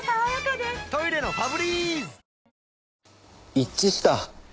一致した？